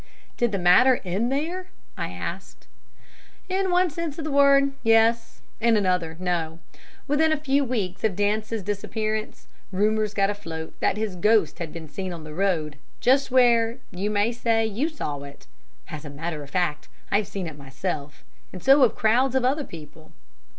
"Did the matter end there?" I asked. "In one sense of the word, yes in another, no. Within a few weeks of Dance's disappearance rumours got afloat that his ghost had been seen on the road, just where, you may say, you saw it. As a matter of fact, I've seen it myself and so have crowds of other people."